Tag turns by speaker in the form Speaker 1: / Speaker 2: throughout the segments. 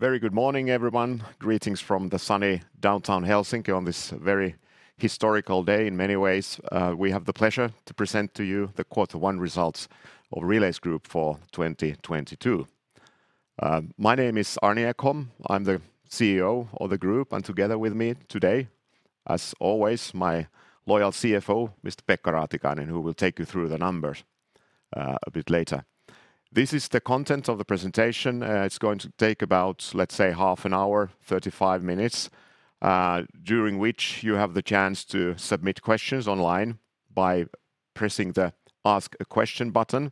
Speaker 1: Very good morning, everyone. Greetings from the sunny downtown Helsinki on this very historical day in many ways. We have the pleasure to present to you the quarter one results of Relais Group for 2022. My name is Arni Ekholm. I'm the CEO of the group, and together with me today, as always, my loyal CFO, Mr. Pekka Raatikainen, who will take you through the numbers a bit later. This is the content of the presentation. It's going to take about, let's say, half an hour, 35 minutes, during which you have the chance to submit questions online by pressing the Ask a Question button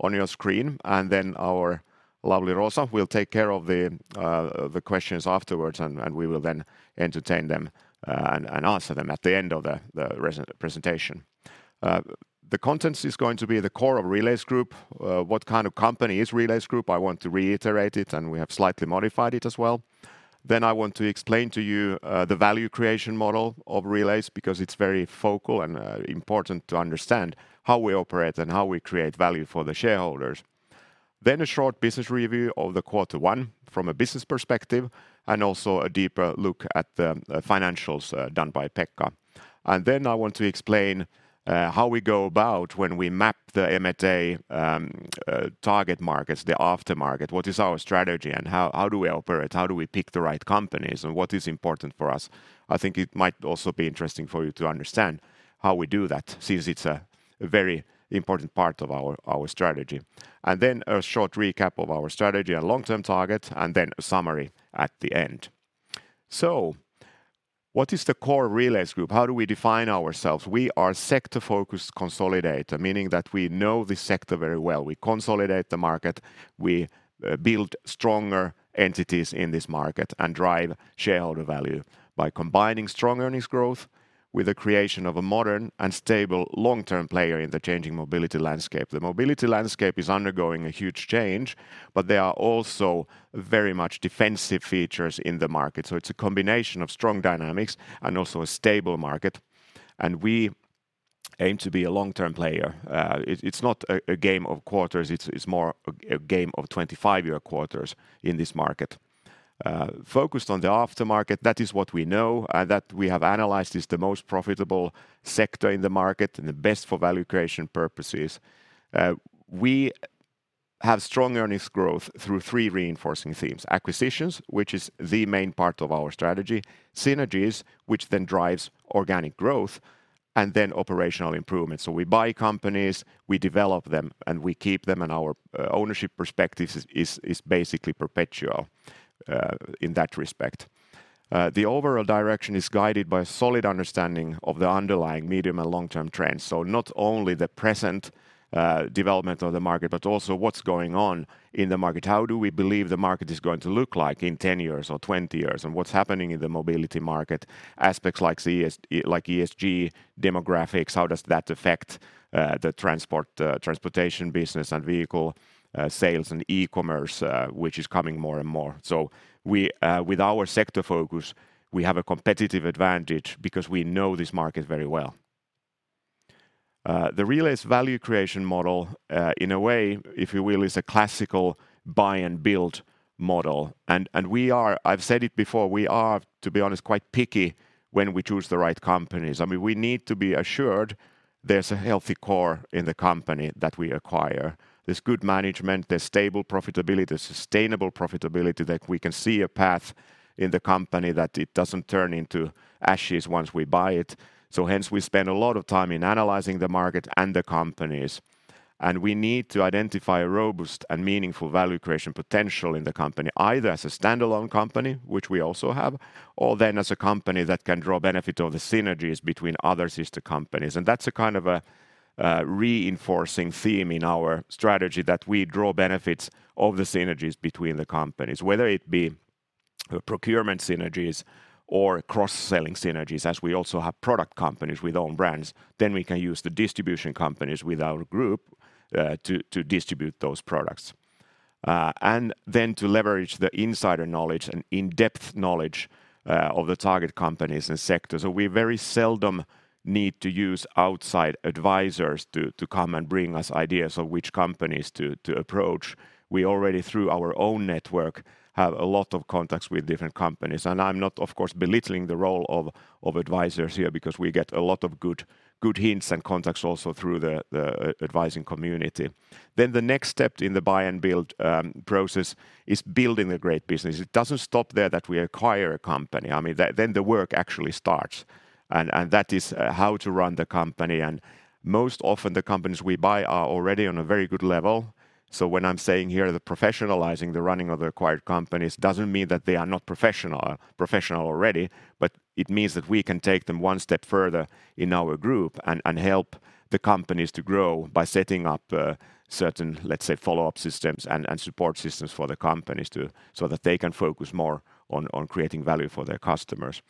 Speaker 1: on your screen. Then our lovely Rosa will take care of the questions afterwards, and we will then entertain them and answer them at the end of the presentation. The contents is going to be the core of Relais Group, what kind of company is Relais Group. I want to reiterate it, and we have slightly modified it as well. I want to explain to you the value creation model of Relais because it's very focal and important to understand how we operate and how we create value for the shareholders. A short business review of the quarter one from a business perspective, and also a deeper look at the financials done by Pekka. I want to explain how we go about when we map the M&A target markets, the aftermarket, what is our strategy and how do we operate, how do we pick the right companies, and what is important for us. I think it might also be interesting for you to understand how we do that since it's a very important part of our strategy. Then a short recap of our strategy and long-term target, and then a summary at the end. What is the core of Relais Group? How do we define ourselves? We are sector-focused consolidator, meaning that we know the sector very well. We consolidate the market, we build stronger entities in this market and drive shareholder value by combining strong earnings growth with the creation of a modern and stable long-term player in the changing mobility landscape. The mobility landscape is undergoing a huge change, but there are also very much defensive features in the market. It's a combination of strong dynamics and also a stable market. We aim to be a long-term player. It's not a game of quarters, it's more a game of 25-year quarters in this market. Focused on the aftermarket, that is what we know that we have analyzed is the most profitable sector in the market and the best for value creation purposes. We have strong earnings growth through three reinforcing themes. Acquisitions, which is the main part of our strategy, synergies, which then drives organic growth, and then operational improvements. We buy companies, we develop them, and we keep them, and our ownership perspective is basically perpetual in that respect. The overall direction is guided by a solid understanding of the underlying medium- and long-term trends. Not only the present development of the market, but also what's going on in the market. How do we believe the market is going to look like in 10 years or 20 years, and what's happening in the mobility market? Aspects like ESG, demographics, how does that affect the transport, transportation business and vehicle sales and e-commerce, which is coming more and more. We with our sector focus, we have a competitive advantage because we know this market very well. The Relais value creation model, in a way, if you will, is a classical buy and build model. We are, I've said it before, we are, to be honest, quite picky when we choose the right companies. I mean, we need to be assured there's a healthy core in the company that we acquire. There's good management, there's stable profitability, there's sustainable profitability that we can see a path in the company that it doesn't turn into ashes once we buy it. We spend a lot of time in analyzing the market and the companies. We need to identify a robust and meaningful value creation potential in the company, either as a standalone company, which we also have, or then as a company that can draw benefit of the synergies between other sister companies. That's a kind of a reinforcing theme in our strategy, that we draw benefits of the synergies between the companies, whether it be procurement synergies or cross-selling synergies, as we also have product companies with own brands, then we can use the distribution companies with our group, to distribute those products. To leverage the insider knowledge and in-depth knowledge of the target companies and sectors. We very seldom need to use outside advisors to come and bring us ideas of which companies to approach. We already, through our own network, have a lot of contacts with different companies. I'm not, of course, belittling the role of advisors here because we get a lot of good hints and contacts also through the advising community. The next step in the buy and build process is building a great business. It doesn't stop there that we acquire a company. I mean, then the work actually starts. That is how to run the company. Most often the companies we buy are already on a very good level. When I'm saying here that professionalizing the running of the acquired companies doesn't mean that they are not professional already, but it means that we can take them one step further in our group and help the companies to grow by setting up certain, let's say, follow-up systems and support systems for the companies so that they can focus more on creating value for their customers.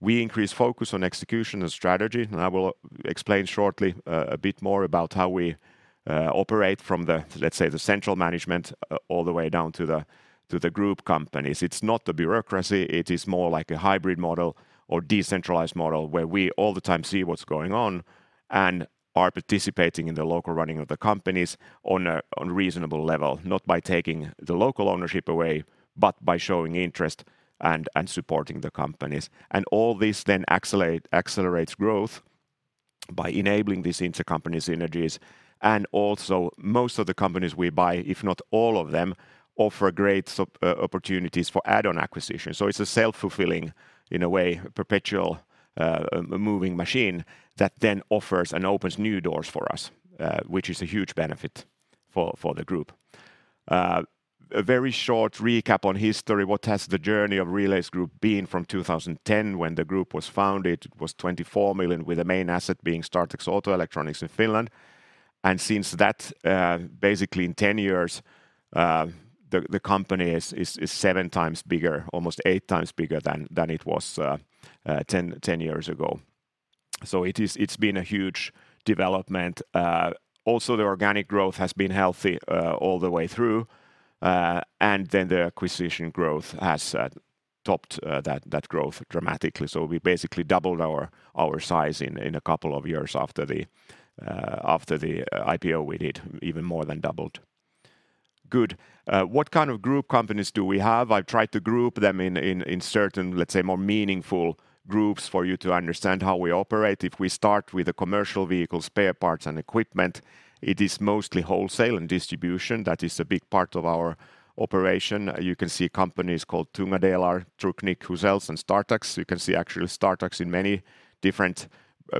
Speaker 1: We increase focus on execution and strategy, and I will explain shortly a bit more about how we operate from the, let's say, the central management all the way down to the group companies. It's not a bureaucracy, it is more like a hybrid model or decentralized model where we all the time see what's going on and are participating in the local running of the companies on a reasonable level, not by taking the local ownership away, but by showing interest and supporting the companies. All this then accelerates growth by enabling these intercompany synergies and also most of the companies we buy, if not all of them, offer great opportunities for add-on acquisitions. It's a self-fulfilling, in a way, perpetual moving machine that then offers and opens new doors for us, which is a huge benefit for the group. A very short recap on history. What has the journey of Relais Group been from 2010 when the group was founded? It was 24 million with the main asset being Startax Auto-Electronics in Finland. Since that, basically in 10 years, the company is seven times bigger, almost eight times bigger than it was 10 years ago. It has been a huge development. Also, the organic growth has been healthy all the way through. Then the acquisition growth has topped that growth dramatically. We basically doubled our size in a couple of years after the IPO we did, even more than doubled. What kind of group companies do we have? I've tried to group them in certain, let's say, more meaningful groups for you to understand how we operate. If we start with the commercial vehicles, spare parts, and equipment, it is mostly wholesale and distribution that is a big part of our operation. You can see companies called Tunga Delar, Trucknik, Huzells, and Startax. You can see actually Startax in many different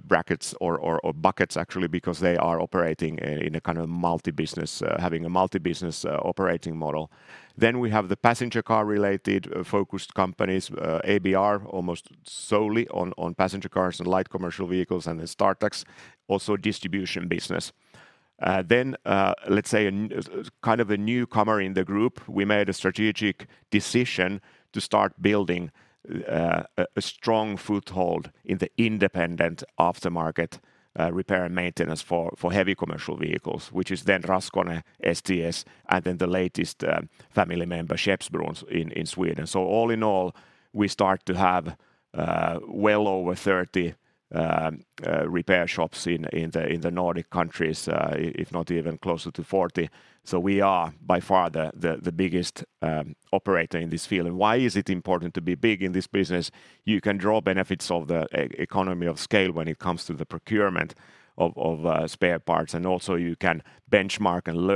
Speaker 1: brackets or buckets actually because they are operating in a kind of multi-business having a multi-business operating model. We have the passenger car-related focused companies, ABR almost solely on passenger cars and light commercial vehicles and then Startax's also distribution business. Let's say in kind of a newcomer in the group, we made a strategic decision to start building a strong foothold in the independent aftermarket repair and maintenance for heavy commercial vehicles, which is then Raskone, STS, and then the latest family member, Skeppsbrons in Sweden. All in all, we start to have well over 30 repair shops in the Nordic countries, if not even closer to 40. We are by far the biggest operator in this field. Why is it important to be big in this business? You can draw benefits of the economy of scale when it comes to the procurement of spare parts and also you can benchmark and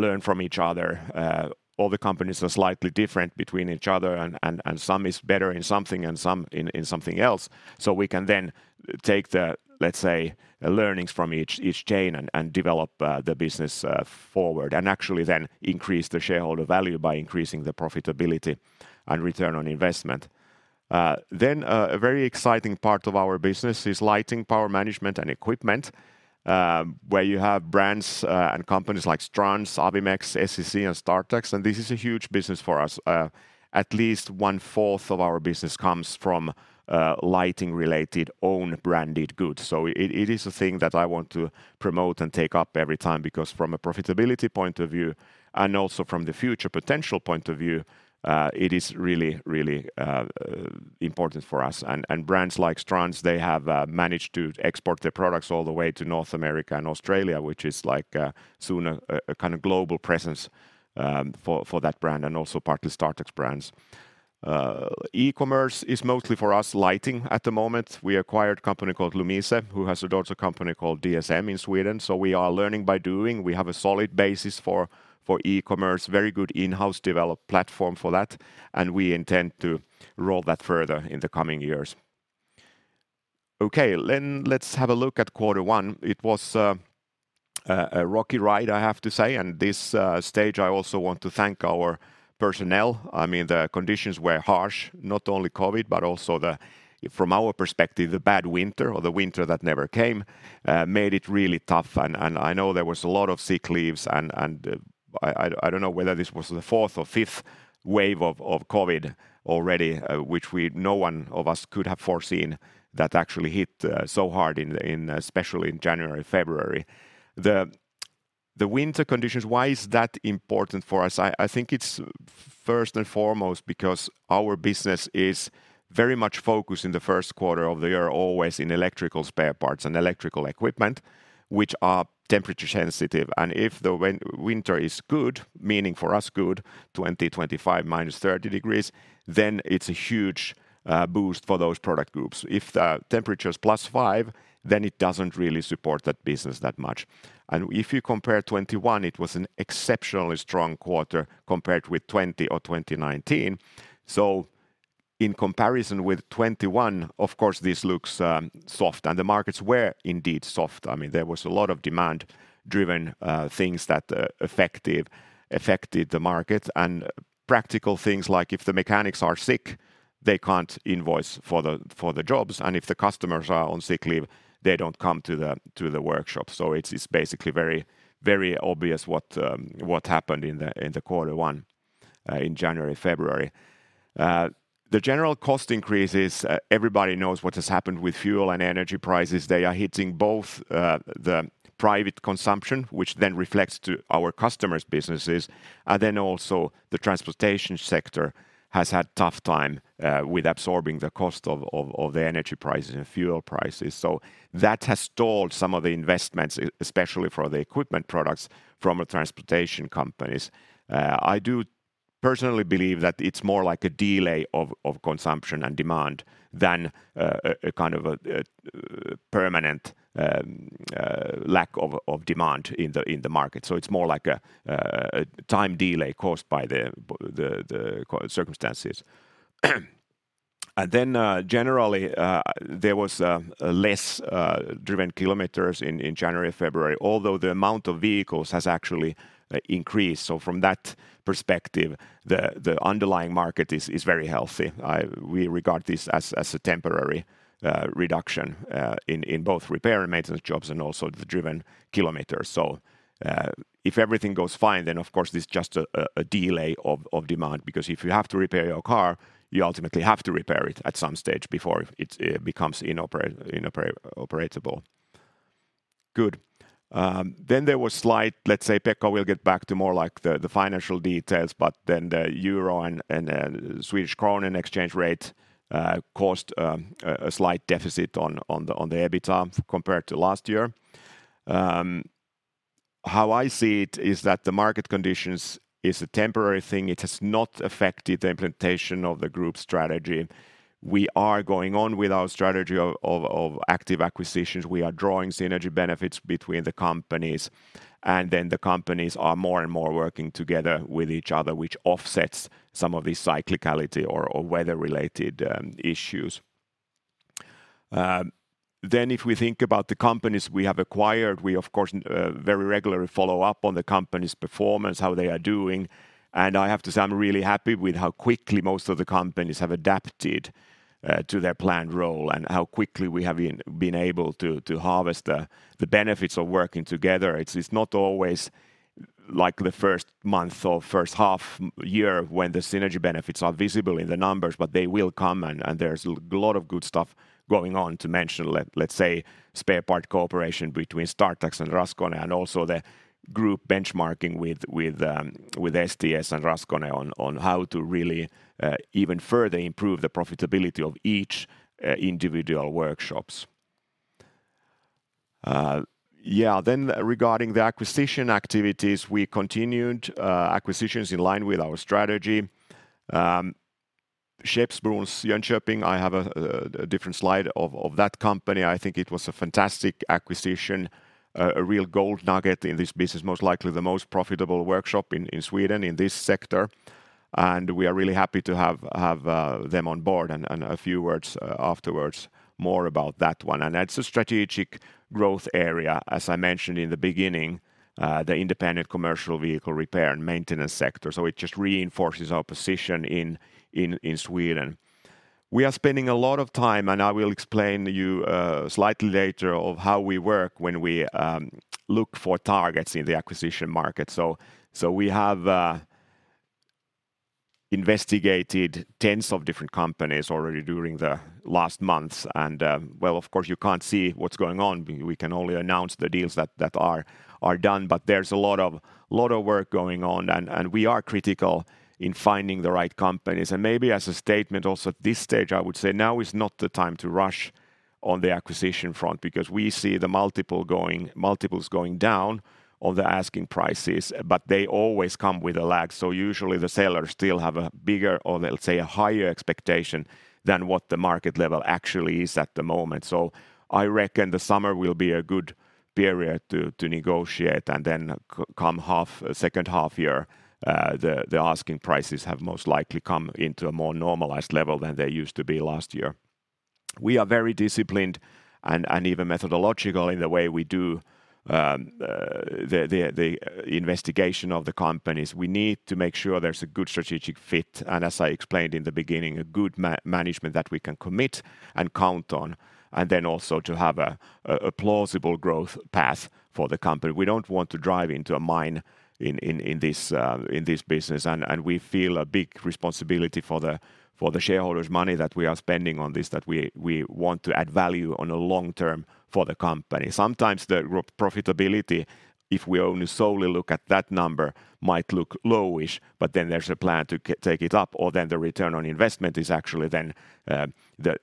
Speaker 1: learn from each other. All the companies are slightly different between each other and some is better in something and some in something else. We can then take the, let's say, learnings from each chain and develop the business forward and actually then increase the shareholder value by increasing the profitability and return on investment. A very exciting part of our business is lighting, power management, and equipment, where you have brands and companies like Strands, Awimex, SEC, and Startax. This is a huge business for us. At least one-fourth of our business comes from lighting-related own-branded goods. It is a thing that I want to promote and take up every time because from a profitability point of view and also from the future potential point of view, it is really important for us. Brands like Strands have managed to export their products all the way to North America and Australia, which is like soon a kind of global presence for that brand and also partly Startax's brands. E-commerce is mostly for us lighting at the moment. We acquired a company called Lumise, who has a daughter company called DSM in Sweden. We are learning by doing. We have a solid basis for e-commerce, very good in-house developed platform for that, and we intend to roll that further in the coming years. Okay. Let's have a look at quarter one. It was a rocky ride, I have to say, and at this stage I also want to thank our personnel. I mean, the conditions were harsh, not only COVID, but also, from our perspective, the bad winter or the winter that never came, made it really tough. I know there was a lot of sick leaves and, I don't know whether this was the fourth or fifth wave of COVID already, no one of us could have foreseen that actually hit so hard, especially in January, February. The winter conditions, why is that important for us? I think it's first and foremost because our business is very much focused in the first quarter of the year, always in electrical spare parts and electrical equipment, which are temperature sensitive. If the winter is good, meaning for us good, 20, 25, -30 degrees, then it's a huge boost for those product groups. If the temperature is +5, then it doesn't really support that business that much. If you compare 2021, it was an exceptionally strong quarter compared with 2020 or 2019. In comparison with 2021, of course, this looks soft, and the markets were indeed soft. I mean, there was a lot of demand-driven things that affected the market. Practical things like if the mechanics are sick, they can't invoice for the jobs, and if the customers are on sick leave, they don't come to the workshop. It's basically very obvious what happened in the quarter one in January, February. The general cost increases, everybody knows what has happened with fuel and energy prices. They are hitting both, the private consumption, which then reflects to our customers' businesses, and then also the transportation sector has had tough time, with absorbing the cost of the energy prices and fuel prices. That has stalled some of the investments, especially for the equipment products from the transportation companies. I do personally believe that it's more like a delay of consumption and demand than a kind of a permanent lack of demand in the market. It's more like a time delay caused by the circumstances. Generally, there was less driven kilometers in January and February, although the amount of vehicles has actually increased. From that perspective, the underlying market is very healthy. We regard this as a temporary reduction in both repair and maintenance jobs and also the driven kilometers. If everything goes fine, then of course it's just a delay of demand because if you have to repair your car, you ultimately have to repair it at some stage before it becomes inoperable. Good. There was slight. Let's say Pekka will get back to more, like, the financial details, but then the euro and Swedish krona exchange rate caused a slight deficit on the EBITDA compared to last year. How I see it is that the market conditions is a temporary thing. It has not affected the implementation of the group strategy. We are going on with our strategy of active acquisitions. We are drawing synergy benefits between the companies, and then the companies are more and more working together with each other, which offsets some of the cyclicality or weather-related issues. If we think about the companies we have acquired, we of course very regularly follow up on the company's performance, how they are doing, and I have to say I'm really happy with how quickly most of the companies have adapted to their planned role and how quickly we have been able to harvest the benefits of working together. It's not always like the first month or first half year when the synergy benefits are visible in the numbers, but they will come and there's a lot of good stuff going on to mention. Let's say spare part cooperation between Startax and Raskone and also the group benchmarking with STS and Raskone on how to really even further improve the profitability of each individual workshops. Regarding the acquisition activities, we continued acquisitions in line with our strategy. Skeppsbrons Jönköping, I have a different slide of that company. I think it was a fantastic acquisition, a real gold nugget in this business, most likely the most profitable workshop in Sweden in this sector, and we are really happy to have them on board, and a few words afterwards more about that one. That's a strategic growth area, as I mentioned in the beginning, the independent commercial vehicle repair and maintenance sector. It just reinforces our position in Sweden. We are spending a lot of time, and I will explain to you slightly later of how we work when we look for targets in the acquisition market. We have investigated tens of different companies already during the last months and, well, of course you can't see what's going on. We can only announce the deals that are done. There's a lot of work going on and we are critical in finding the right companies. Maybe as a statement also at this stage, I would say now is not the time to rush on the acquisition front because we see the multiples going down of the asking prices, but they always come with a lag. Usually the sellers still have a bigger or let's say a higher expectation than what the market level actually is at the moment. I reckon the summer will be a good period to negotiate and then come the second half year, the asking prices have most likely come into a more normalized level than they used to be last year. We are very disciplined and even methodological in the way we do the investigation of the companies. We need to make sure there's a good strategic fit, and as I explained in the beginning, a good management that we can commit and count on and then also to have a plausible growth path for the company. We don't want to drive into a minefield in this business and we feel a big responsibility for the shareholders' money that we are spending on this, that we want to add value in the long term for the company. Sometimes the profitability, if we only solely look at that number, might look low-ish, but then there's a plan to take it up, or the return on investment is actually the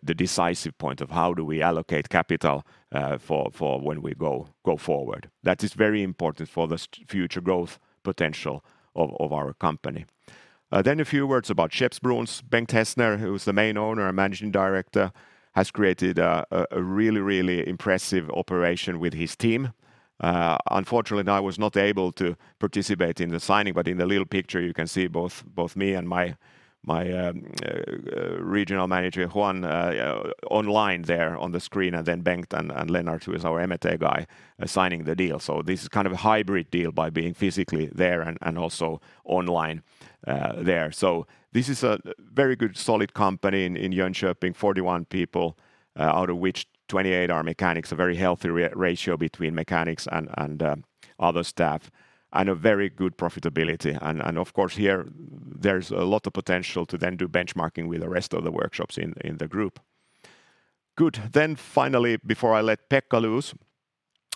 Speaker 1: decisive point of how do we allocate capital, for when we go forward. That is very important for the future growth potential of our company. A few words about Skeppsbron's Bengt Hestner, who is the main owner and Managing Director, has created a really impressive operation with his team. Unfortunately I was not able to participate in the signing, but in the little picture you can see both me and my regional manager, Juan, online there on the screen, and then Bengt and Lennart, who is our M&A guy, signing the deal. This is kind of a hybrid deal by being physically there and also online there. This is a very good solid company in Jönköping, 41 people, out of which 28 are mechanics, a very healthy ratio between mechanics and other staff, and a very good profitability. Of course here there's a lot of potential to then do benchmarking with the rest of the workshops in the group. Good. Finally, before I let Pekka loose.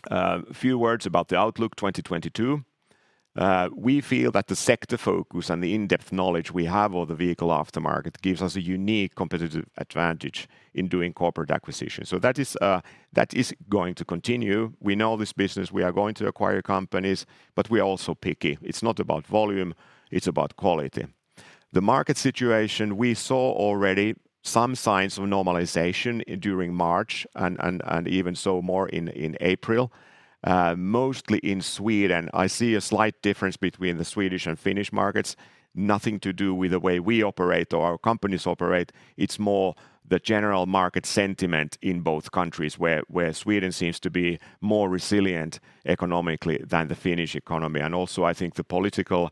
Speaker 1: A few words about the outlook 2022. We feel that the sector focus and the in-depth knowledge we have of the vehicle aftermarket gives us a unique competitive advantage in doing corporate acquisitions. That is going to continue. We know this business. We are going to acquire companies, but we are also picky. It's not about volume, it's about quality. The market situation, we saw already some signs of normalization during March and even more so in April, mostly in Sweden. I see a slight difference between the Swedish and Finnish markets. Nothing to do with the way we operate or our companies operate. It's more the general market sentiment in both countries where Sweden seems to be more resilient economically than the Finnish economy. I think the political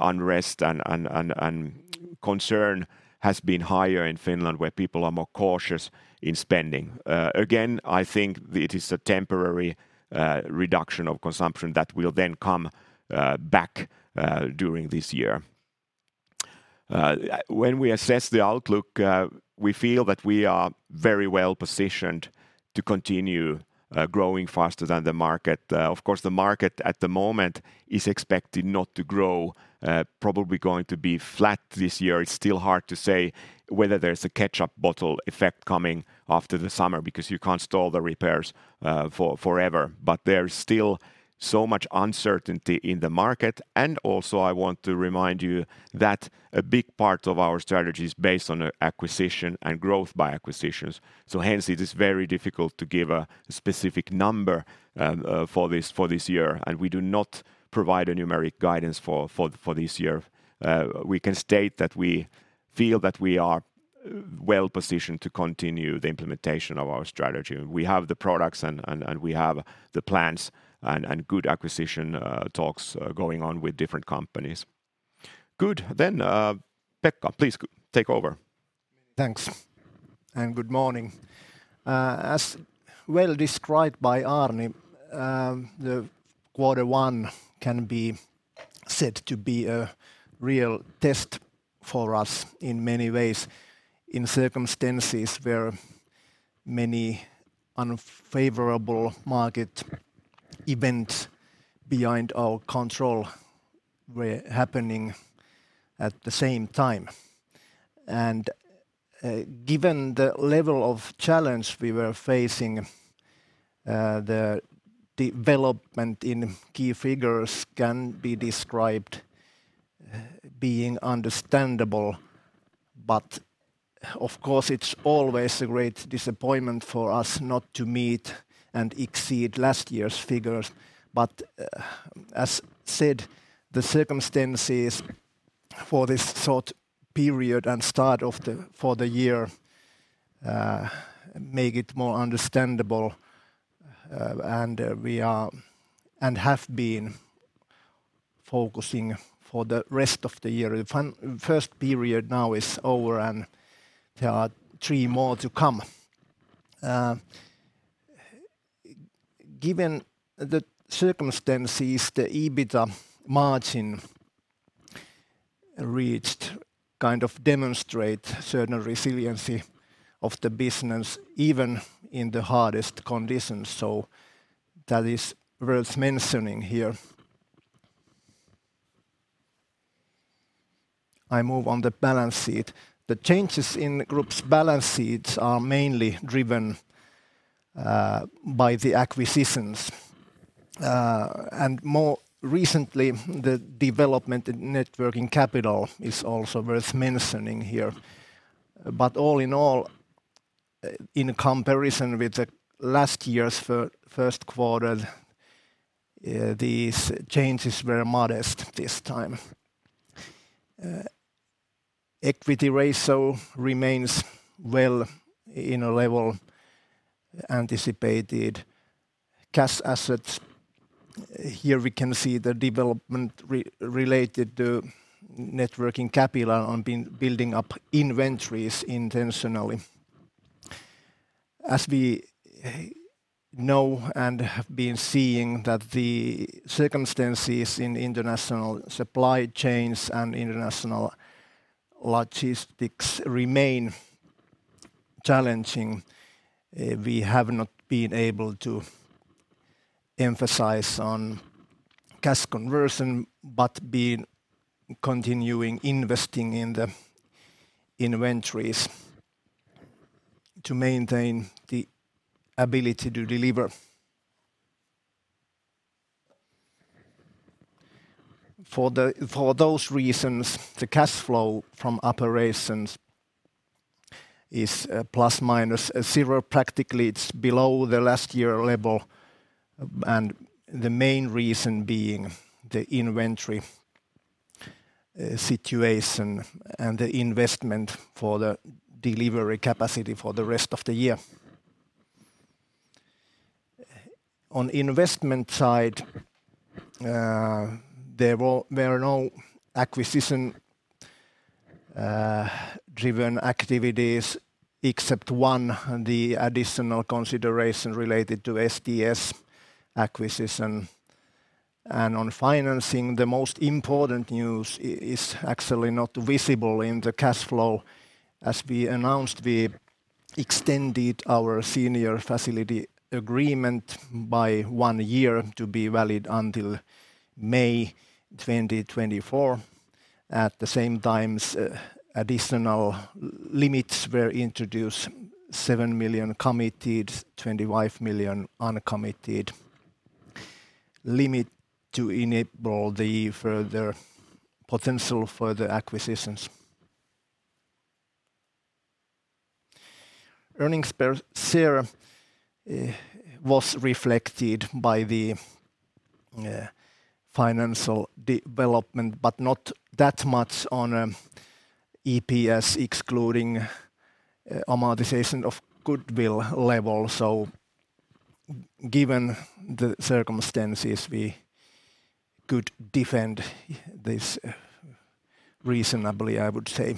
Speaker 1: unrest and concern has been higher in Finland, where people are more cautious in spending. Again, I think it is a temporary reduction of consumption that will then come back during this year. When we assess the outlook, we feel that we are very well positioned to continue growing faster than the market. Of course, the market at the moment is expected not to grow, probably going to be flat this year. It's still hard to say whether there's a ketchup bottle effect coming after the summer because you can't stall the repairs forever. There is still so much uncertainty in the market. I want to remind you that a big part of our strategy is based on acquisition and growth by acquisitions. Hence it is very difficult to give a specific number for this year. We do not provide a numeric guidance for this year. We can state that we feel that we are well positioned to continue the implementation of our strategy. We have the products and we have the plans and good acquisition talks going on with different companies. Good. Pekka, please take over.
Speaker 2: Thanks, good morning. As well described by Arni, the quarter one can be said to be a real test for us in many ways in circumstances where many unfavorable market events behind our control were happening at the same time. Given the level of challenge we were facing, the development in key figures can be described, being understandable. Of course, it's always a great disappointment for us not to meet and exceed last year's figures. As said, the circumstances for this short period and start of the year make it more understandable. We are, and have been focusing for the rest of the year. The first period now is over, and there are three more to come. Given the circumstances, the EBITA margin reached kind of demonstrate certain resiliency of the business even in the hardest conditions. That is worth mentioning here. I move on the balance sheet. The changes in the group's balance sheets are mainly driven by the acquisitions. More recently, the development in net working capital is also worth mentioning here. All in all, in comparison with last year's first quarter, these changes were modest this time. Equity ratio remains well at a level anticipated. Cash assets, here we can see the development related to net working capital on building up inventories intentionally. As we know and have been seeing that the circumstances in international supply chains and international logistics remain challenging, we have not been able to emphasize on cash conversion, but been continuing investing in the inventories to maintain the ability to deliver. For those reasons, the cash flow from operations is ±0. Practically, it's below the last year level, and the main reason being the inventory situation and the investment for the delivery capacity for the rest of the year. On investment side, there were no acquisition driven activities except one, the additional consideration related to STS acquisition. On financing, the most important news is actually not visible in the cash flow. As we announced, we extended our senior facility agreement by one year to be valid until May 2024. At the same time, additional limits were introduced 7 million committed, 25 million uncommitted limit to enable the further potential for the acquisitions. Earnings per share was reflected by the financial development, but not that much on EPS, excluding amortization of goodwill level. Given the circumstances, we could defend this reasonably, I would say.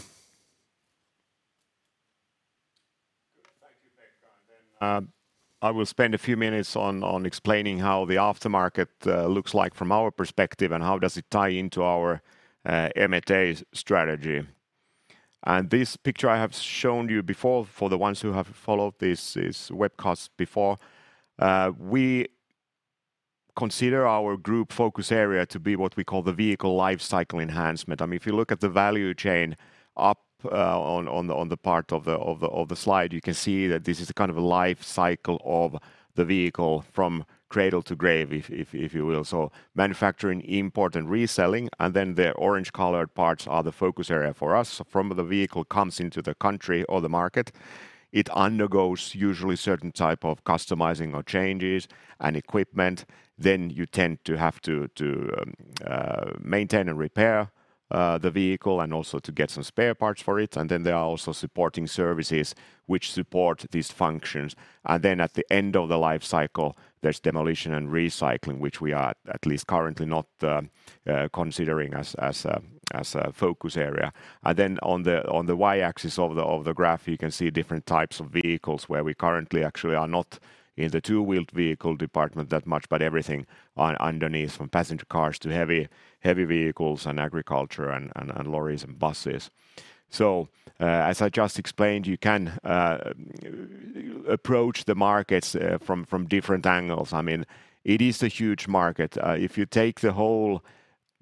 Speaker 1: Good. Thank you, Pekka. I will spend a few minutes on explaining how the aftermarket looks like from our perspective and how it ties into our M&A strategy. This picture I have shown you before, for the ones who have followed this webcast before, we consider our group focus area to be what we call the vehicle life cycle enhancement. I mean, if you look at the value chain up on the part of the slide, you can see that this is kind of a life cycle of the vehicle from cradle to grave, if you will. Manufacturing, import and reselling, and then the orange colored parts are the focus area for us. From the vehicle comes into the country or the market, it undergoes usually certain type of customizing or changes and equipment. You tend to have to maintain and repair the vehicle and also to get some spare parts for it. There are also supporting services which support these functions. At the end of the life cycle, there's demolition and recycling, which we are at least currently not considering as a focus area. On the y-axis of the graph, you can see different types of vehicles where we currently actually are not in the two-wheeled vehicle department that much, but everything underneath, from passenger cars to heavy vehicles and agriculture and lorries and buses. As I just explained, you can approach the markets from different angles. I mean, it is a huge market. If you take the whole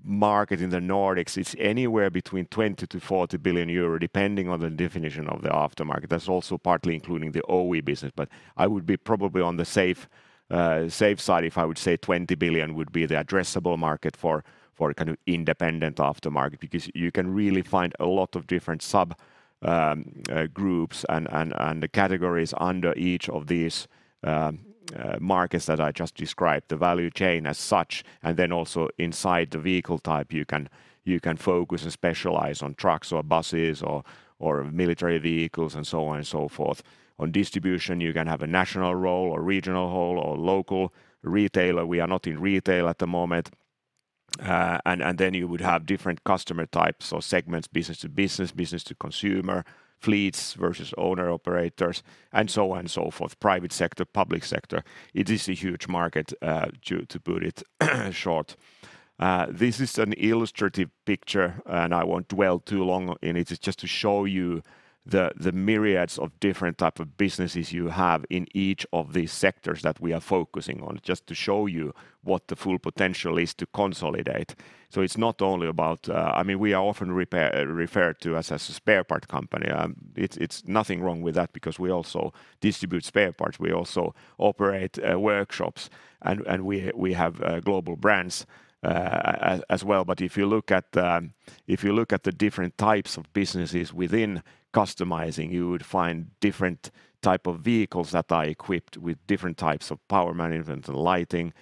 Speaker 1: market in the Nordics, it's anywhere between 20 billion-40 billion euro, depending on the definition of the aftermarket. That's also partly including the OE business. I would be probably on the safe side if I would say 20 billion would be the addressable market for kind of independent aftermarket, because you can really find a lot of different subgroups and categories under each of these markets that I just described, the value chain as such. Then also inside the vehicle type, you can focus and specialize on trucks or buses or military vehicles and so on and so forth. On distribution, you can have a national role or regional role or local retailer. We are not in retail at the moment. You would have different customer types or segments, business to business to consumer, fleets versus owner-operators, and so on and so forth, private sector, public sector. It is a huge market, to put it short. This is an illustrative picture, and I won't dwell too long in it. It's just to show you the myriads of different type of businesses you have in each of these sectors that we are focusing on, just to show you what the full potential is to consolidate. It's not only about. I mean, we are often referred to as a spare part company. It's nothing wrong with that because we also distribute spare parts. We also operate workshops and we have global brands as well. If you look at the different types of businesses within customizing, you would find different type of vehicles that are equipped with different types of power management and lighting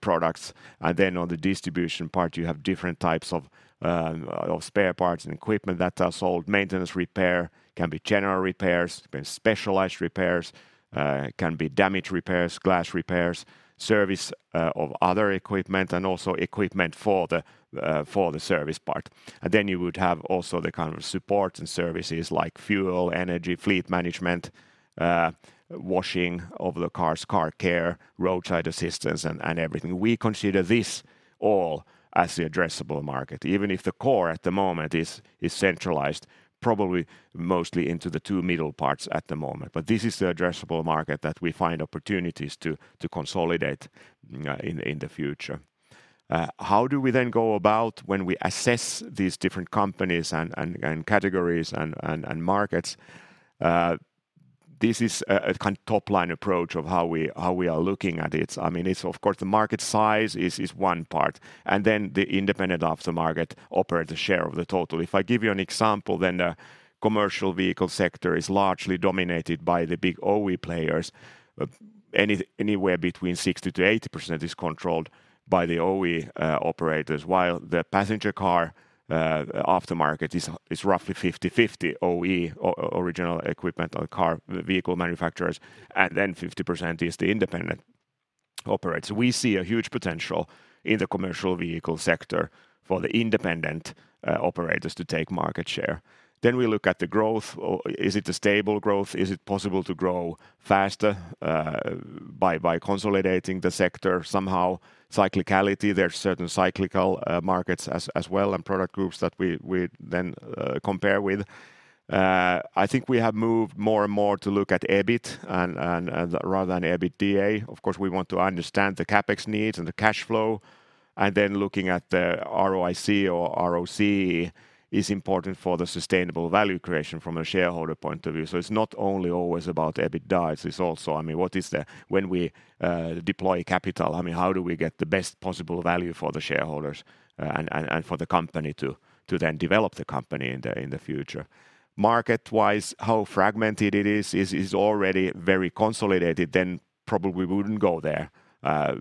Speaker 1: products. On the distribution part, you have different types of spare parts and equipment that are sold. Maintenance repair can be general repairs, can be specialized repairs, can be damage repairs, glass repairs, service of other equipment, and also equipment for the service part. You would have also the kind of support and services like fuel, energy, fleet management, washing of the cars, car care, roadside assistance and everything. We consider this all as the addressable market, even if the core at the moment is centralized probably mostly into the two middle parts at the moment. This is the addressable market that we find opportunities to consolidate in the future. How do we then go about when we assess these different companies and categories and markets? This is a kind of top-line approach of how we are looking at it. I mean, it's of course the market size is one part, and then the independent aftermarket operator share of the total. If I give you an example, then the commercial vehicle sector is largely dominated by the big OE players. Anywhere between 60%-80% is controlled by the OE operators, while the passenger car aftermarket is roughly 50/50 OE or original equipment car vehicle manufacturers, and then 50% is the independent operators. We see a huge potential in the commercial vehicle sector for the independent operators to take market share. We look at the growth. Is it a stable growth? Is it possible to grow faster by consolidating the sector somehow? Cyclicality, there are certain cyclical markets as well, and product groups that we then compare with. I think we have moved more and more to look at EBIT and rather than EBITDA. Of course, we want to understand the CapEx needs and the cash flow, and then looking at the ROIC or ROC is important for the sustainable value creation from a shareholder point of view. It's not only always about EBITDA, it's also, I mean, when we deploy capital, I mean, how do we get the best possible value for the shareholders, and for the company to then develop the company in the future. Market-wise, how fragmented it is. Is it already very consolidated? Then probably wouldn't go there,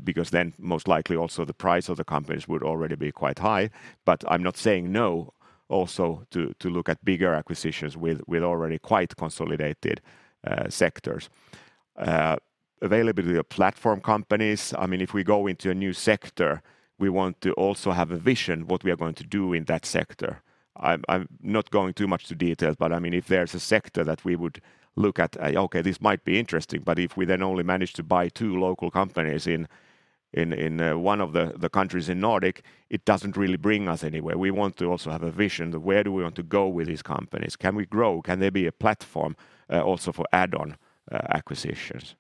Speaker 1: because then most likely also the price of the companies would already be quite high. But I'm not saying no also to look at bigger acquisitions with already quite consolidated sectors. Availability of platform companies. I mean, if we go into a new sector, we want to also have a vision what we are going to do in that sector. I'm not going too much into details, but I mean, if there's a sector that we would look at, okay, this might be interesting, but if we then only manage to buy two local companies in one of the countries in Nordic, it doesn't really bring us anywhere. We want to also have a vision of where do we want to go with these companies. Can we grow? Can they be a platform also for add-on acquisitions?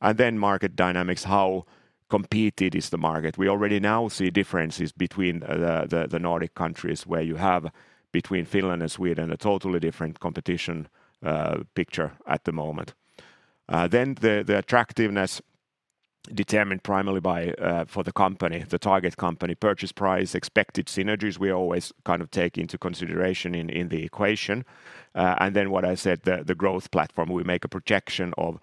Speaker 1: Market dynamics, how competitive is the market. We already now see differences between the Nordic countries where you have between Finland and Sweden a totally different competition picture at the moment. The attractiveness determined primarily by, for the company, the target company purchase price, expected synergies, we always kind of take into consideration in the equation. What I said, the growth platform, we make a projection of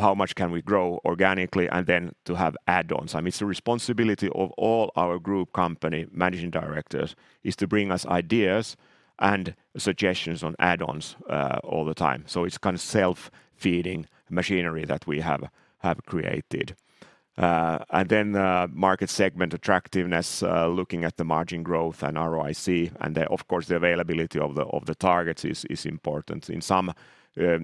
Speaker 1: how much can we grow organically and then to have add-ons. I mean, it's the responsibility of all our group company managing directors is to bring us ideas and suggestions on add-ons all the time. It's kind of self-feeding machinery that we have created. Market segment attractiveness, looking at the margin growth and ROIC, and then of course the availability of the targets is important. In some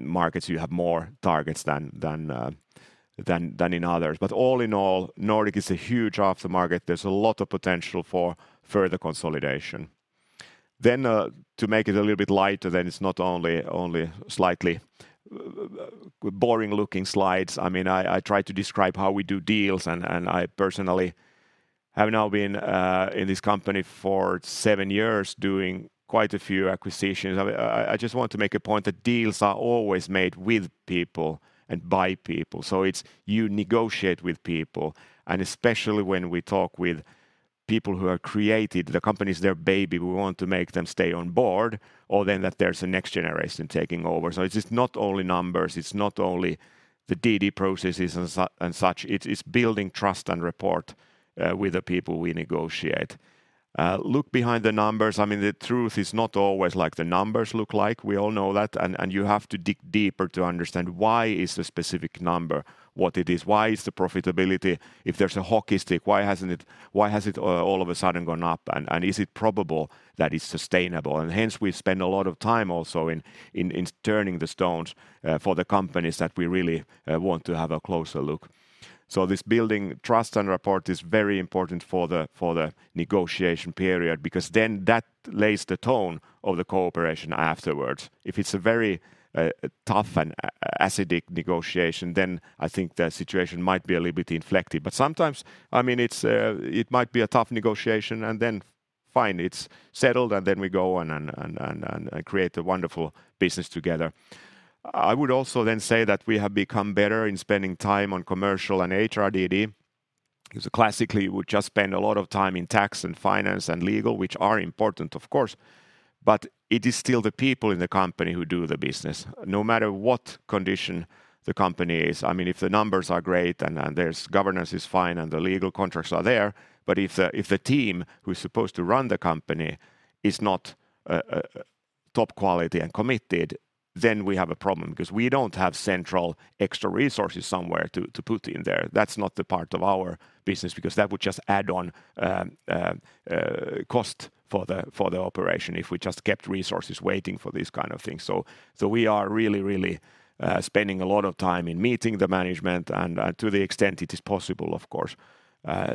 Speaker 1: markets, you have more targets than in others. All in all, Nordic is a huge aftermarket. There's a lot of potential for further consolidation. To make it a little bit lighter, it's not only only slightly boring-looking slides. I mean, I tried to describe how we do deals, and I personally have now been in this company for seven years doing quite a few acquisitions. I just want to make a point that deals are always made with people and by people. It's you negotiate with people, and especially when we talk with people who have created the company's their baby, we want to make them stay on board or then that there's a next generation taking over. It's just not only numbers, it's not only the DD processes and such. It's building trust and rapport with the people we negotiate. Look behind the numbers. I mean, the truth is not always like the numbers look like. We all know that, you have to dig deeper to understand why the specific number is what it is. Why is the profitability? If there's a hockey stick, why has it all of a sudden gone up? Is it probable that it's sustainable? Hence, we spend a lot of time also in turning the stones for the companies that we really want to have a closer look. This building trust and rapport is very important for the negotiation period, because then that lays the tone of the cooperation afterwards. If it's a very tough and acidic negotiation, then I think the situation might be a little bit affected. Sometimes, I mean, it might be a tough negotiation, and then fine, it's settled, and then we go and create a wonderful business together. I would also then say that we have become better in spending time on commercial and HR DD, because classically, we just spend a lot of time in tax and finance and legal, which are important, of course. It is still the people in the company who do the business, no matter what condition the company is. I mean, if the numbers are great and their governance is fine and the legal contracts are there, but if the team who's supposed to run the company is not top quality and committed, then we have a problem, because we don't have central extra resources somewhere to put in there. That's not the part of our business, because that would just add on cost for the operation if we just kept resources waiting for these kind of things. We are really spending a lot of time in meeting the management and to the extent it is possible, of course.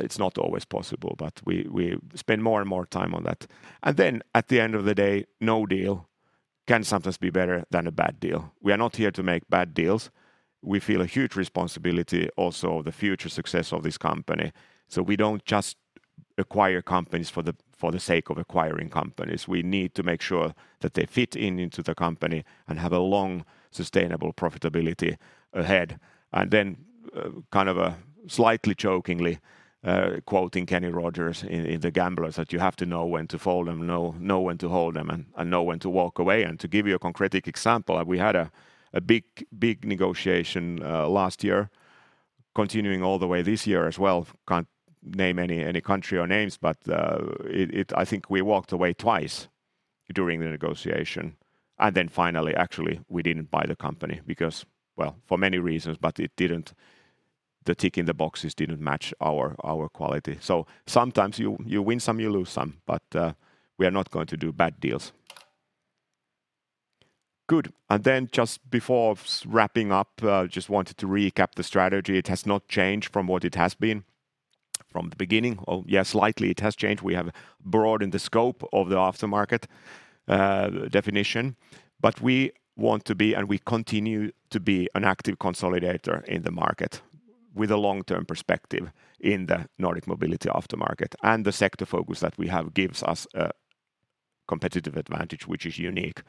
Speaker 1: It's not always possible, but we spend more and more time on that. Then at the end of the day, no deal can sometimes be better than a bad deal. We are not here to make bad deals. We feel a huge responsibility also of the future success of this company. We don't just acquire companies for the sake of acquiring companies. We need to make sure that they fit in into the company and have a long, sustainable profitability ahead. Kind of slightly jokingly quoting Kenny Rogers in The Gambler, that you have to know when to fold them, know when to hold them, and know when to walk away. To give you a concrete example, we had a big negotiation last year, continuing all the way this year as well. Can't name any country or names, but I think we walked away twice during the negotiation. Then finally, actually, we didn't buy the company because, well, for many reasons, but it didn't tick the boxes didn't match our quality. Sometimes you win some, you lose some, but we are not going to do bad deals. Just before wrapping up, just wanted to recap the strategy. It has not changed from what it has been from the beginning. Oh, yeah, slightly it has changed. We have broadened the scope of the aftermarket definition, but we want to be, and we continue to be an active consolidator in the market with a long-term perspective in the Nordic mobility aftermarket. The sector focus that we have gives us a competitive advantage, which is unique.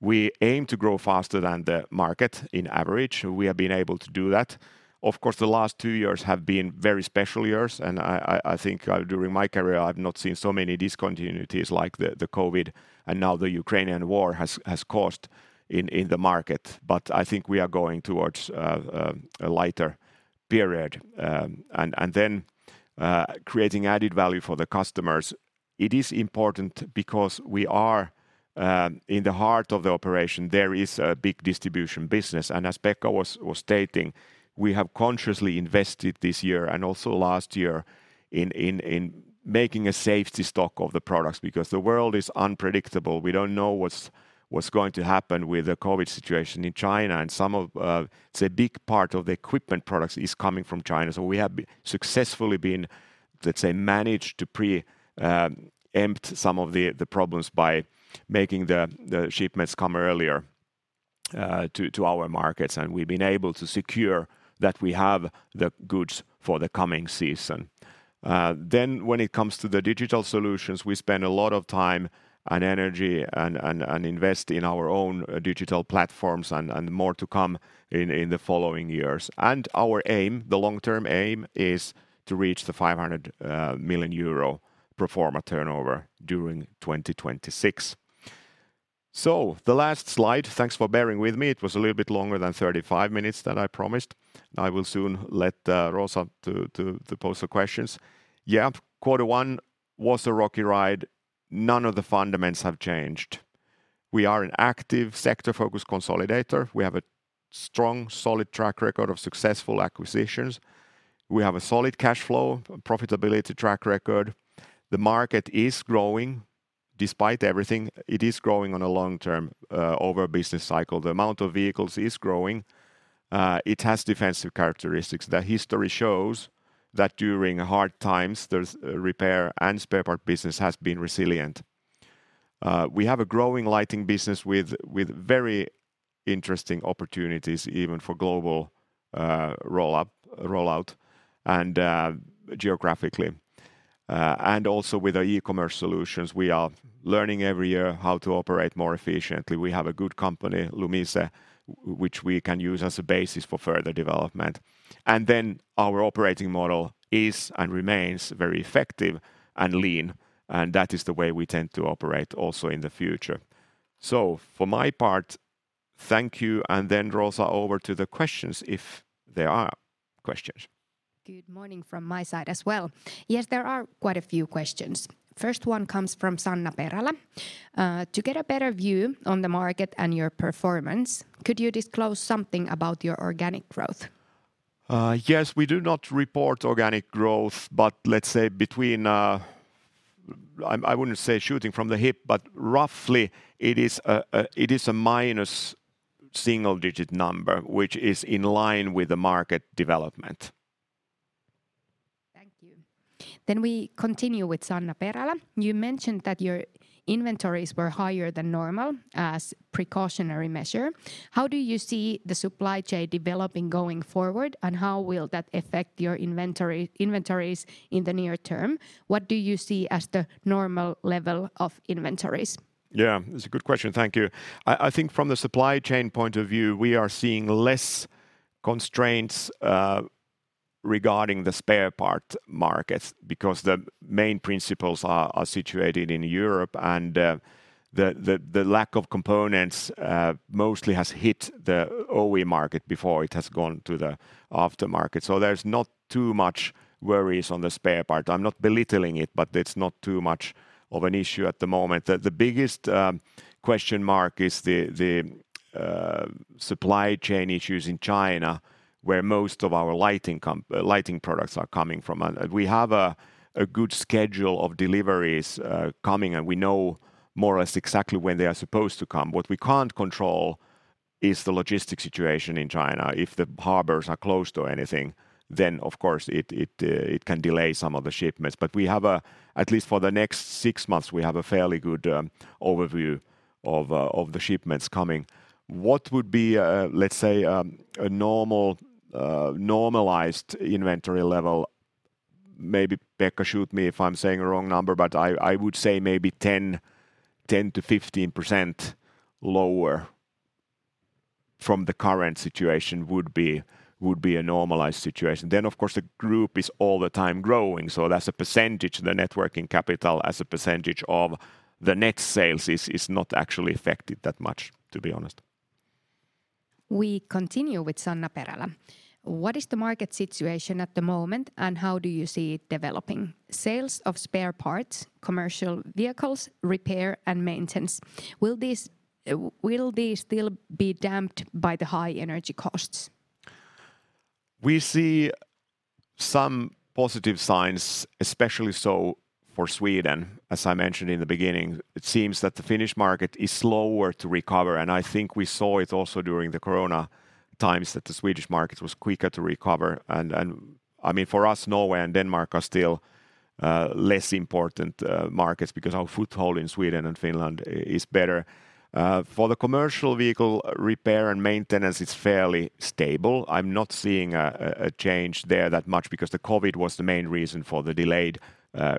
Speaker 1: We aim to grow faster than the market on average. We have been able to do that. Of course, the last two years have been very special years, and I think during my career I've not seen so many discontinuities like the COVID and now the Ukrainian war has caused in the market. I think we are going towards a lighter period. Creating added value for the customers, it is important because we are in the heart of the operation, there is a big distribution business. As Pekka was stating, we have consciously invested this year and also last year in making a safety stock of the products because the world is unpredictable. We don't know what's going to happen with the COVID situation in China, and some of a big part of the equipment products is coming from China. We have successfully been, let's say, managed to preempt some of the problems by making the shipments come earlier to our markets, and we've been able to secure that we have the goods for the coming season. When it comes to the digital solutions, we spend a lot of time and energy and invest in our own digital platforms and more to come in the following years. Our aim, the long-term aim, is to reach 500 million euro pro forma turnover during 2026. The last slide, thanks for bearing with me. It was a little bit longer than 35 minutes that I promised. I will soon let Rosa to pose the questions. Yeah, quarter one was a rocky ride. None of the fundamentals have changed. We are an active sector-focused consolidator. We have a strong, solid track record of successful acquisitions. We have a solid cash flow, profitability track record. The market is growing despite everything. It is growing on a long-term over a business cycle. The amount of vehicles is growing. It has defensive characteristics. The history shows that during hard times, the repair and spare part business has been resilient. We have a growing lighting business with very interesting opportunities even for global roll out and geographically. Also with our e-commerce solutions, we are learning every year how to operate more efficiently. We have a good company, Lumise, which we can use as a basis for further development. Our operating model is and remains very effective and lean, and that is the way we tend to operate also in the future. For my part, thank you, and then Rosa, over to the questions if there are questions.
Speaker 3: Good morning from my side as well. Yes, there are quite a few questions. First one comes from Sanna Perälä. To get a better view on the market and your performance, could you disclose something about your organic growth?
Speaker 1: Yes, we do not report organic growth, but let's say I wouldn't say shooting from the hip, but roughly it is a minus single-digit number, which is in line with the market development.
Speaker 3: Thank you. We continue with Sanna Perälä. You mentioned that your inventories were higher than normal as precautionary measure. How do you see the supply chain developing going forward, and how will that affect your inventories in the near term? What do you see as the normal level of inventories?
Speaker 1: Yeah, it's a good question. Thank you. I think from the supply chain point of view, we are seeing less constraints regarding the spare part markets because the main principals are situated in Europe and the lack of components mostly has hit the OE market before it has gone to the aftermarket. So there's not too much worries on the spare part. I'm not belittling it, but it's not too much of an issue at the moment. The biggest question mark is the supply chain issues in China where most of our lighting products are coming from. We have a good schedule of deliveries coming, and we know more or less exactly when they are supposed to come. What we can't control is the logistics situation in China. If the harbors are closed or anything, then of course it can delay some of the shipments. At least for the next six months, we have a fairly good overview of the shipments coming. What would be, let's say, a normal normalized inventory level? Maybe Pekka shoot me if I'm saying a wrong number, but I would say maybe 10%-15% lower from the current situation would be a normalized situation. Of course the group is all the time growing, so that's a percentage. The net working capital as a percentage of the net sales is not actually affected that much, to be honest.
Speaker 3: We continue with Sanna Perälä. What is the market situation at the moment, and how do you see it developing? Sales of spare parts, commercial vehicles, repair and maintenance, will these still be dampened by the high energy costs?
Speaker 1: We see some positive signs, especially so for Sweden. As I mentioned in the beginning, it seems that the Finnish market is slower to recover, and I think we saw it also during the corona times that the Swedish market was quicker to recover. I mean, for us, Norway and Denmark are still less important markets because our foothold in Sweden and Finland is better. For the commercial vehicle repair and maintenance, it's fairly stable. I'm not seeing a change there that much because the COVID was the main reason for the delayed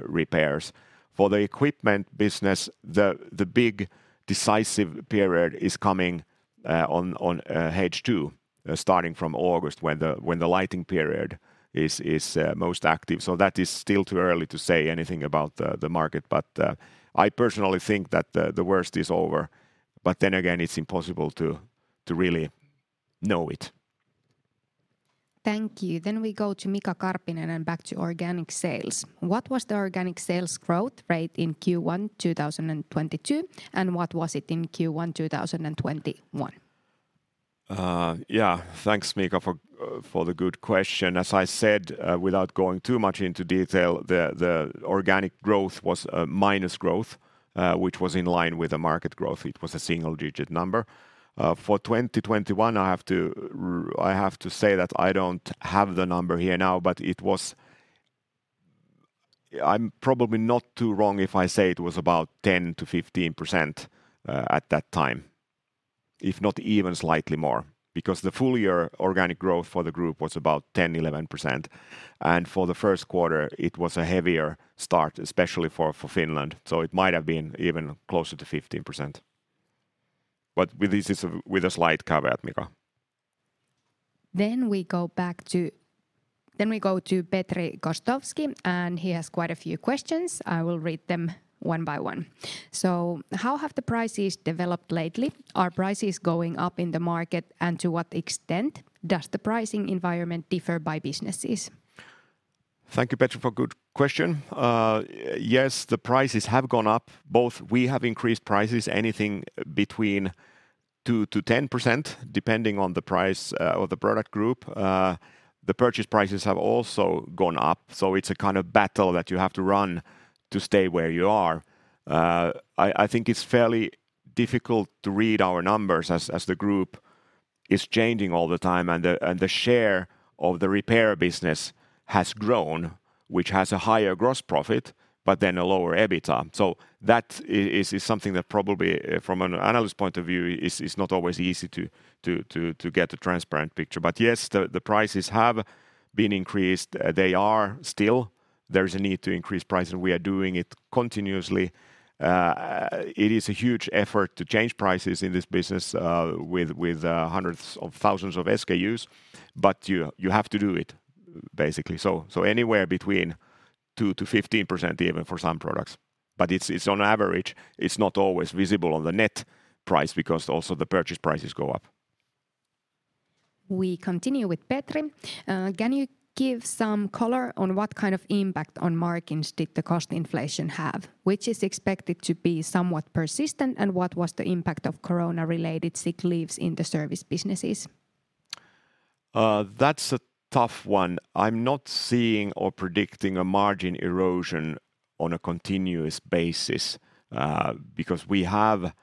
Speaker 1: repairs. For the equipment business, the big decisive period is coming on H2, starting from August when the lighting period is most active. So that is still too early to say anything about the market. I personally think that the worst is over. Then again, it's impossible to really know it.
Speaker 3: Thank you. We go to Mika Karppinen and back to organic sales. What was the organic sales growth rate in Q1 2022, and what was it in Q1 2021?
Speaker 1: Yeah, thanks, Mika, for the good question. As I said, without going too much into detail, the organic growth was minus growth, which was in line with the market growth. It was a single-digit number. For 2021, I have to say that I don't have the number here now, but it was. I'm probably not too wrong if I say it was about 10%-15%, at that time, if not even slightly more. Because the full year organic growth for the group was about 10%-11%. For the first quarter, it was a heavier start, especially for Finland. It might have been even closer to 15%. This is with a slight caveat, Mika.
Speaker 3: We go to Petri Gostowski, and he has quite a few questions. I will read them one by one. How have the prices developed lately? Are prices going up in the market, and to what extent does the pricing environment differ by businesses?
Speaker 1: Thank you, Petri, for good question. Yes, the prices have gone up. Both we have increased prices anything between 2%-10%, depending on the price or the product group. The purchase prices have also gone up. It's a kind of battle that you have to run to stay where you are. I think it's fairly difficult to read our numbers as the group is changing all the time and the share of the repair business has grown, which has a higher gross profit, but then a lower EBITDA. That is something that probably from an analyst point of view is not always easy to get a transparent picture. Yes, the prices have been increased. They are still. There is a need to increase prices. We are doing it continuously. It is a huge effort to change prices in this business, with hundreds of thousands of SKUs, but you have to do it basically. Anywhere between 2%-15% even for some products. It's on average. It's not always visible on the net price because also the purchase prices go up.
Speaker 3: We continue with Petri. Can you give some color on what kind of impact on margins did the cost inflation have, which is expected to be somewhat persistent, and what was the impact of corona-related sick leaves in the service businesses?
Speaker 1: That's a tough one. I'm not seeing or predicting a margin erosion on a continuous basis, because we have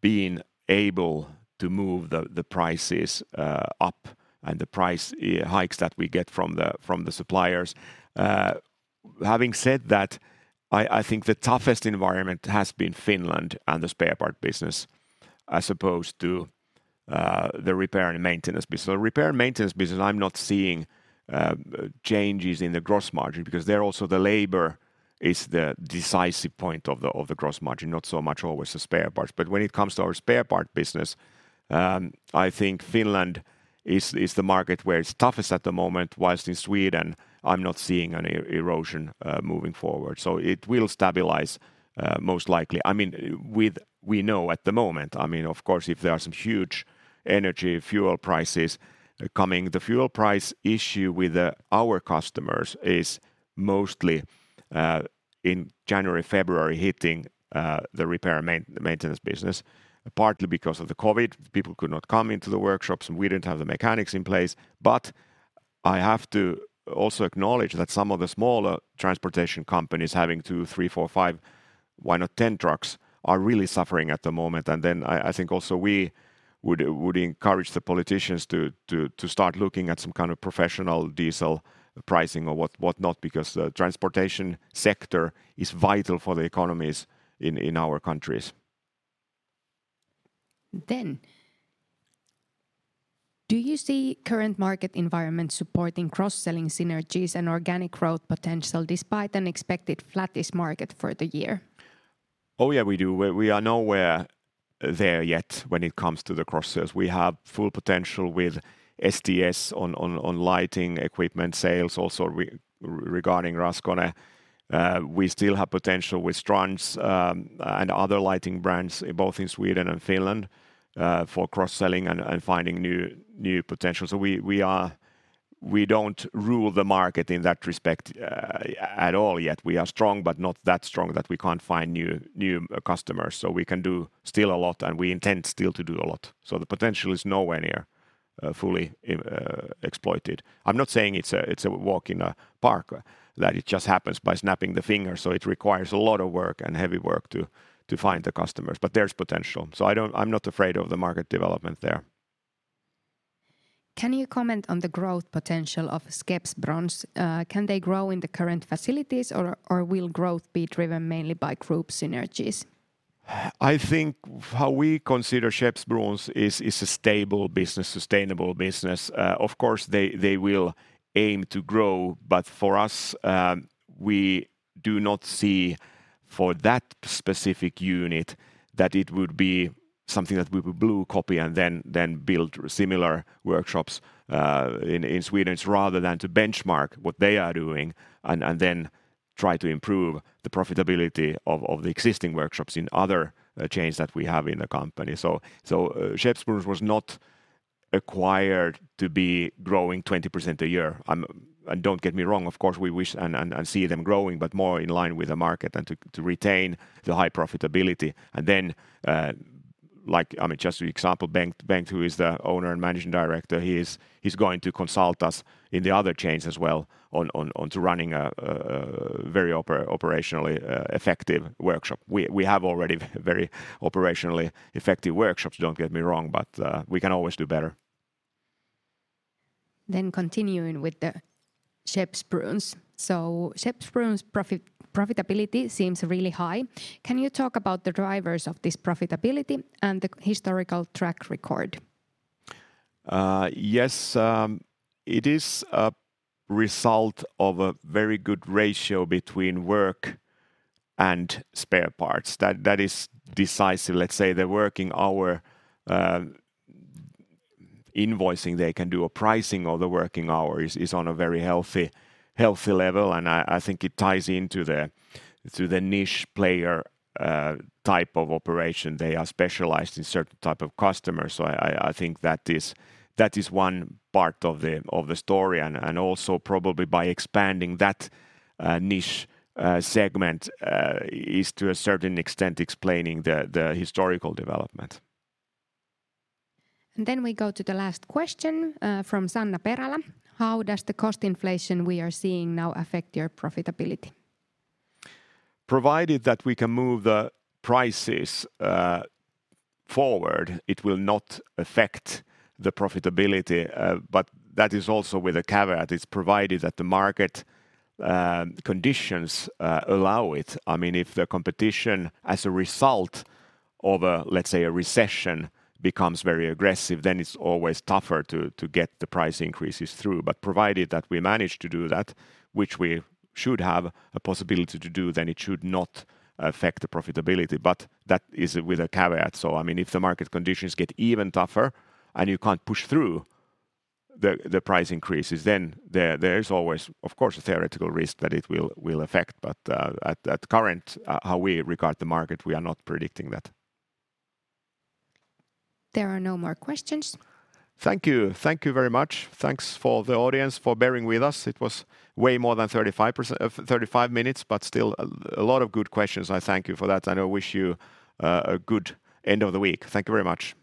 Speaker 1: been able to move the prices up and the price hikes that we get from the suppliers. Having said that, I think the toughest environment has been Finland and the spare part business as opposed to the repair and maintenance business. Repair and maintenance business, I'm not seeing changes in the gross margin because there also the labor is the decisive point of the gross margin, not so much always the spare parts. When it comes to our spare part business, I think Finland is the market where it's toughest at the moment, whilst in Sweden I'm not seeing an erosion moving forward. It will stabilize most likely. I mean, we know at the moment, I mean, of course, if there are some huge energy fuel prices coming. The fuel price issue with our customers is mostly in January, February hitting the repair and maintenance business, partly because of the COVID. People could not come into the workshops. We didn't have the mechanics in place. I have to also acknowledge that some of the smaller transportation companies having two, three, four, five, why not 10 trucks are really suffering at the moment. I think also we would encourage the politicians to start looking at some kind of professional diesel pricing or whatnot because the transportation sector is vital for the economies in our countries.
Speaker 3: Do you see current market environment supporting cross-selling synergies and organic growth potential despite an expected flattish market for the year?
Speaker 1: Oh yeah, we do. We are nowhere near there yet when it comes to the cross-sales. We have full potential with STS on lighting equipment sales also regarding Raskone. We still have potential with Strands and other lighting brands both in Sweden and Finland for cross-selling and finding new potential. We are. We don't rule the market in that respect at all yet. We are strong, but not that strong that we can't find new customers. We can still do a lot, and we intend still to do a lot. The potential is nowhere near fully exploited. I'm not saying it's a walk in the park, that it just happens by snapping the fingers. It requires a lot of work and heavy work to find the customers, but there's potential. I'm not afraid of the market development there.
Speaker 3: Can you comment on the growth potential of Skeppsbrons? Can they grow in the current facilities or will growth be driven mainly by group synergies?
Speaker 1: I think how we consider Skeppsbrons is a stable business, sustainable business. Of course, they will aim to grow. For us, we do not see for that specific unit that it would be something that we would blueprint and then build similar workshops in Sweden. It's rather to benchmark what they are doing and then try to improve the profitability of the existing workshops in other chains that we have in the company. Skeppsbrons was not acquired to be growing 20% a year. Don't get me wrong, of course, we wish and see them growing, but more in line with the market and to retain the high profitability. Like, I mean, just example, Bengt Hestner. Bengt, who is the owner and managing director, he's going to consult us in the other chains as well on to running a very operationally effective workshop. We have already very operationally effective workshops, don't get me wrong, but we can always do better.
Speaker 3: Continuing with the Skeppsbrons. Skeppsbrons' profitability seems really high. Can you talk about the drivers of this profitability and the historical track record?
Speaker 1: Yes, it is a result of a very good ratio between work and spare parts. That is decisive. Let's say the working hour invoicing they can do or pricing of the working hour is on a very healthy level, and I think it ties into the niche player type of operation. They are specialized in certain type of customers. I think that is one part of the story and also probably by expanding that niche segment is to a certain extent explaining the historical development.
Speaker 3: We go to the last question from Sanna Perälä. How does the cost inflation we are seeing now affect your profitability?
Speaker 1: Provided that we can move the prices forward, it will not affect the profitability, but that is also with a caveat. It's provided that the market conditions allow it. I mean, if the competition as a result of a, let's say, a recession becomes very aggressive, then it's always tougher to get the price increases through. Provided that we manage to do that, which we should have a possibility to do, then it should not affect the profitability. That is with a caveat. I mean, if the market conditions get even tougher and you can't push through the price increases, then there is always of course a theoretical risk that it will affect. At current, how we regard the market, we are not predicting that.
Speaker 3: There are no more questions.
Speaker 1: Thank you. Thank you very much. Thanks to the audience for bearing with us. It was way more than 35 minutes, but still a lot of good questions, and I thank you for that, and I wish you a good end of the week. Thank you very much.